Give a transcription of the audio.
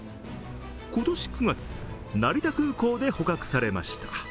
今年９月、成田空港で捕獲されました。